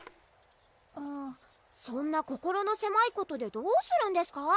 あぁそんな心のせまいことでどうするんですか？